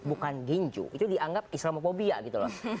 bukan ginju itu dianggap islamophobia gitu loh